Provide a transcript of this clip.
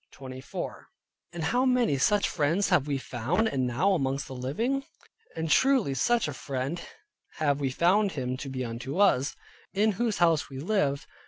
And how many such friends have we found, and now living amongst? And truly such a friend have we found him to be unto us, in whose house we lived, viz.